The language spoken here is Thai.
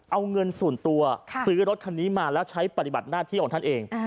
เอาเงินส่วนตัวซื้อรถคันนี้มาแล้วใช้ปฏิบัติหน้าที่ของท่านเอง